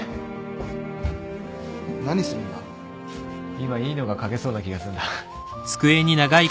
今いいのが書けそうな気がするんだ。